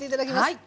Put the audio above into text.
はい。